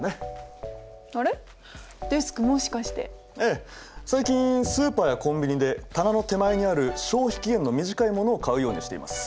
ええ最近スーパーやコンビニで棚の手前にある消費期限の短いものを買うようにしています。